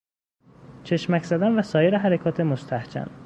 چشمک زدن و سایر حرکات مستهجن